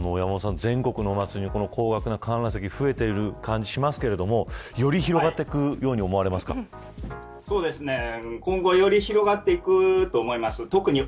山本さん、全国のお祭り高額な観覧席が増えている感じがしますがより広がっていくように今後より広がっていくと思います。